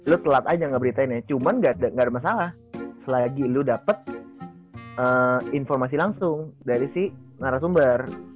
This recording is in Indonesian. lo telat aja gak beritainnya cuman gak ada masalah selagi lo dapet informasi langsung dari si narasumber